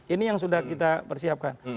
ini yang sudah kita persiapkan